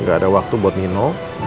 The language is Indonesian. gak ada waktu buat nino